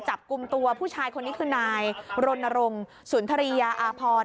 จับกุมตัวผู้ชายคนนี้คือนายโรนนรงค์ศูนย์ธรียาอาร์พอร์ต